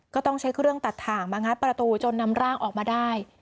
ก็ต้องใช้เครื่องตัดถ่างมางัดประตูจนนำร่างออกมาได้